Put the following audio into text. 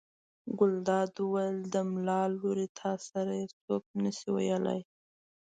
ګلداد وویل: د ملا لورې تا سره یې څوک نه شي ویلی.